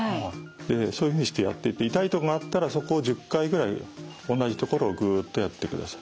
そういうふうにしてやっていって痛い所があったらそこを１０回くらい同じ所をぐっとやってください。